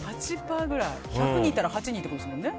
１００人いたら８人ってことですよね。